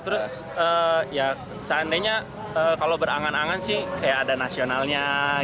terus ya seandainya kalau berangan angan sih kayak ada nasionalnya